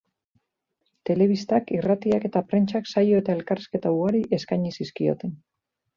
Telebistak, irratiak eta prentsak saio eta elkarrizketa ugari eskaini zizkioten.